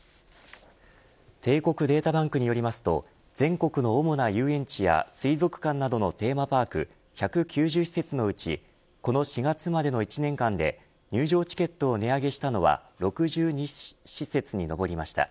帝国データバンクによりますと全国の主な遊園地や水族館などのテーマパーク１９０施設のうちこの４月までの１年間で入場チケットを値上げしたのは６２施設に上りました。